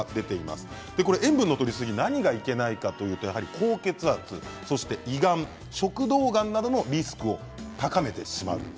塩分のとりすぎは何がいけないかというと高血圧、胃がん、食道がんなどのリスクを高めてしまいます。